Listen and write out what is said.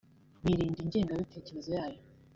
birinda ingengabitekerezo yayo